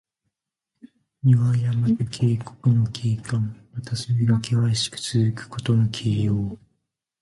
岩山と渓谷の景観。また、それがけわしくつづくことの形容。